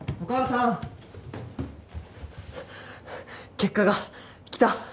結果が来た！